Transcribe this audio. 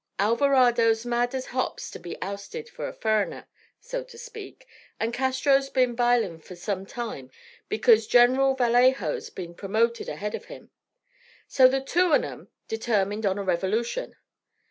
Alvarado's mad as hops to be ousted for a furriner, so to speak, and Castro's been bilin' fur some time, because General Vallejo's been promoted ahead of him. So the two on 'em determined on a revolution.